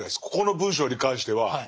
ここの文章に関しては。